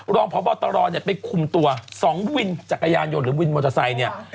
รองพบตรเนี่ยไปคุมตัว๒วินจักรยานยนต์หรือวินมอเตอร์ไซค์เนี่ย